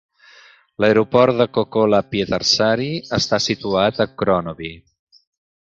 L'aeroport de Kokkola-Pietarsaari està situat en Kronobi.